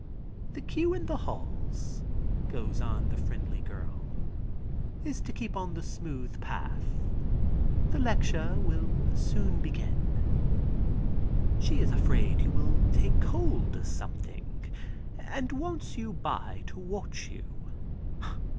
"The cue in the halls," goes on the friendly girl, "is to keep on the smooth path. The lecture will soon begin. She is afraid you will take cold or something and wants you by to watch you."